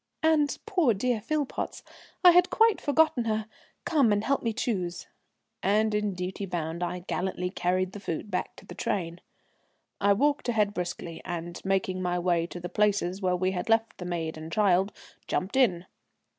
"And poor dear Philpotts, I had quite forgotten her. Come and help me choose," and in duty bound I gallantly carried the food back to the train. I walked ahead briskly, and making my way to the places where we had left the maid and child, jumped in.